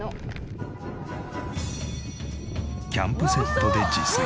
キャンプセットで自炊。